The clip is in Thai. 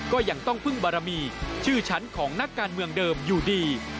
ก็ยังต้องพึ่งบารมีชื่อฉันของนักการเมืองเดิมอยู่ดี